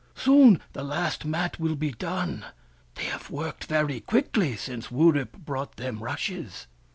" Soon the last mat will be done. They have worked very quickly since Wurip brought them rushes."